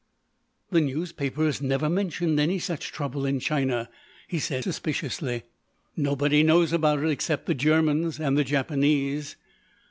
"The newspapers never mentioned any such trouble in China," he said, suspiciously. "Nobody knows about it except the Germans and the Japanese."